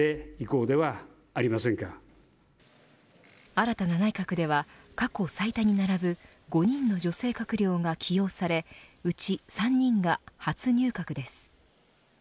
新たな内閣では過去最多に並ぶ５人の女性閣僚が起用されうち３人が初入閣です。